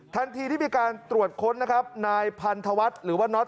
ทันทีที่มีการตรวจค้นนะครับนายพันธวัฒน์หรือว่าน็อต